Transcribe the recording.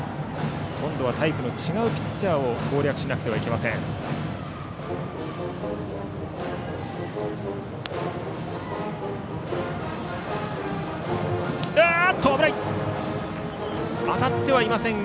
今度はタイプの違うピッチャーを攻略しないといけません。